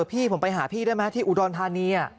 พี่ผมไปหาพี่ได้ไหมที่อุดรธานี